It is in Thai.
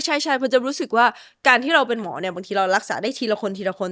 ใช่เพราะจะรู้สึกว่าการที่เราเป็นหมอเนี่ยบางทีเรารักษาได้ทีละคนทีละคน